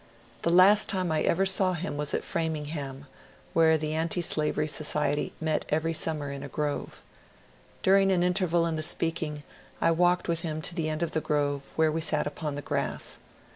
The last time I ever saw him was at Framingham, where the Antislavery Society met every summer in a grove. During an interval in the speaking I walked with him to the end of the grove, where we sat upon the grass.